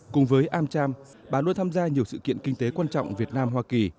cùng với amcham bà luôn tham gia nhiều sự kiện kinh tế quan trọng việt nam hoa kỳ